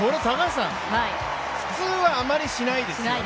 普通はあまりしないですよね？